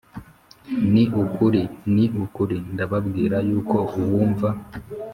Ni ukuri ni ukuri ndababwira yuko uwumva